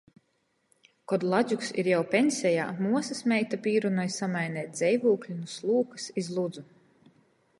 Kod Ladzuks ir jau pensejā, muosys meita pīrunoj samaineit dzeivūkli nu Slūkys iz Ludzu.